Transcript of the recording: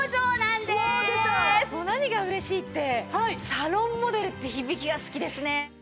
何が嬉しいってサロンモデルって響きが好きですね。